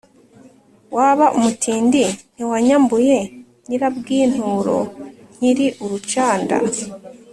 waba umutindi! Ntiwanyambuye Nyirabwinturo nkiri urucanda